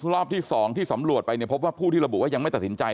รอบที่๒ที่สำรวจไปเนี่ยพบว่าผู้ที่ระบุว่ายังไม่ตัดสินใจ